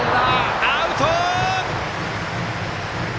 アウト！